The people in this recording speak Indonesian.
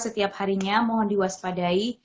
setiap harinya mohon diwaspadai